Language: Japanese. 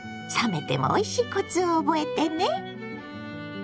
冷めてもおいしいコツを覚えてね。